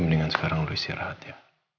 mendingan sekarang udah istirahat ya